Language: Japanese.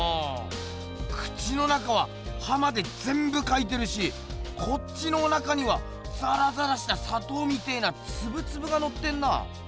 口の中ははまでぜんぶかいてるしこっちのおなかにはザラザラしたさとうみてえなツブツブがのってんな！